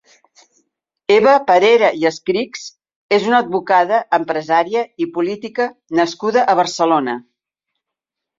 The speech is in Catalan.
Eva Parera i Escrichs és una advocada, empresària i política nascuda a Barcelona.